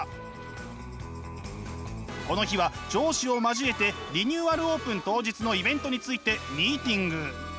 この日は上司を交えてリニューアルオープン当日のイベントについてミーティング。